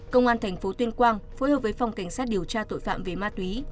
công an tp tuyên quang phối hợp với phòng cảnh sát điều tra tội phạm về ma túy